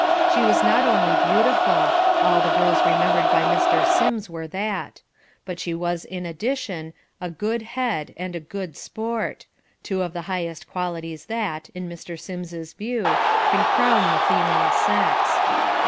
She was not only beautiful. All the girls remembered by Mr. Sims were that. But she was in addition "a good head" and "a good sport," two of the highest qualities that, in Mr. Sims's view, can crown the female sex.